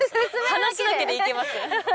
話だけでいけます。